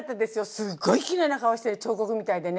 すっごいきれいな顔して彫刻みたいでね